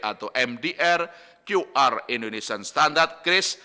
atau mdr qr indonesian standard cris